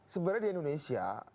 sebenarnya di indonesia